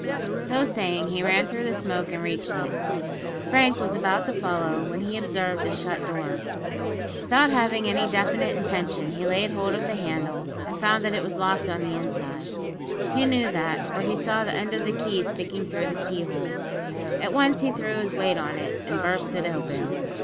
So saying, he ran through the smoke and reached it. Frank was about to follow, when he observed a shut door. Without having any definite intention, he laid hold of the handle, and found that it was locked on the inside he knew that, for he saw the end of the key sticking through the key hole. At once he threw his weight on it, and burst it open.